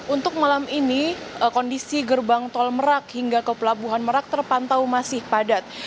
untuk malam ini kondisi gerbang tol merak hingga ke pelabuhan merak terpantau masih padat